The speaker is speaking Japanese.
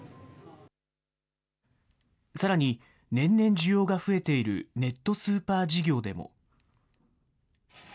さらに、年々需要が増えているネットスーパー事業でも。